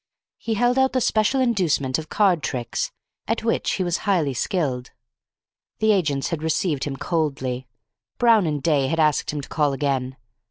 He held out the special inducement of card tricks, at which he was highly skilled. The agents had received him coldly. Brown and Day had asked him to call again.